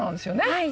はい！